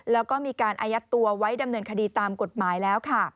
แล้วก็มีการอายัดตัวไว้ดำเนินคดีตามกฎหมายแล้วค่ะ